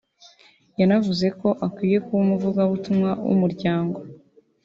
yanavuze ko akwiye kuba umuvugabutumwa w’umuryango